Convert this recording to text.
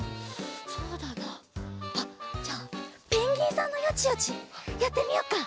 そうだなあっじゃあペンギンさんのヨチヨチやってみよっか。